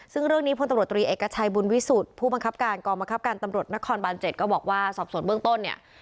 ซึ่งเรื่องนี้พลตำรวจตรีเอกชัยบุญวิสุทธิ์ผู้บังคับการกองบังคับการตำรวจนครบาน๗ก็บอกว่าสอบส่วนเบื้องต้นเนี่ย